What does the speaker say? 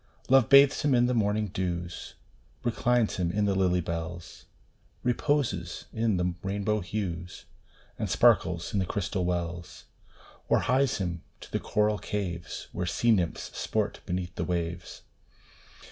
Love bathes him in the morning dews, Reclines him in the lily bells, Reposes in the rainbow hues, And sparkles in the crystal wells, Or hies him to the coral caves, Where sea nymphs sport beneath the waves.